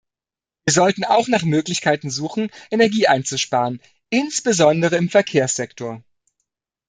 Wir sollten auch nach Möglichkeiten suchen, Energie einzusparen, insbesondere im Verkehrssektor.